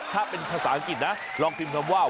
ถ้าเป็นภาษาอังกฤษนะลองทิมทรัพย์ว่า